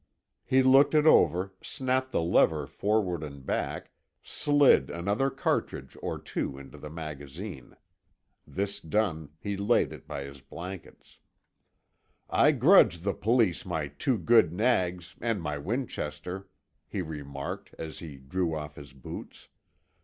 He looked it over, snapped the lever forward and back, slid another cartridge or two into the magazine. This done, he laid it by his blankets. "I grudge the Police my two good nags, and my Winchester," he remarked, as he drew off his boots.